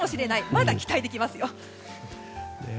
まだ期待できますよ。